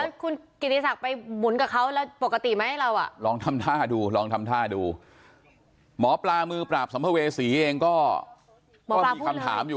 แล้วคุณกิริสักไปหมุนกับเขาปกติไหมลองทำท่าดูหมอปลามือปราบสัมภเวษีเองก็มีคำถามอยู่